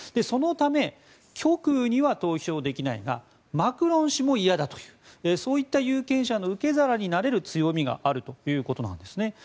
そのため、極右には投票できないがマクロン氏も嫌だというそういった有権者の受け皿になれる強みがあるということです。